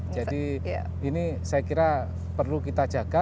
jadi ini saya kira perlu kita jaga